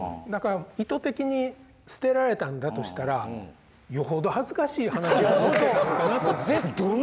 だから意図的に捨てられたんだとしたらよほど恥ずかしい話が載ってたのかなと。